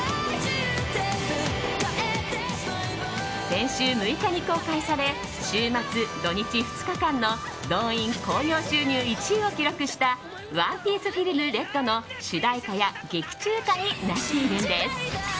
先週６日に公開され週末土日２日間の動員・興行収入１位を記録した「ＯＮＥＰＩＥＣＥＦＩＬＭＲＥＤ」の主題歌や劇中歌になっているんです。